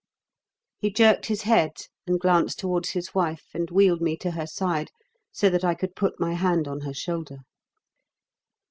He jerked his head and glance towards his wife and wheeled me to her side, so that I could put my hand on her shoulder.